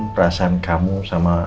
perasaan kamu sama